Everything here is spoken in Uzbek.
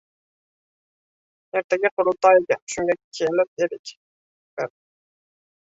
— Ertaga qurultoy ekan, shunga kelib edik. Bir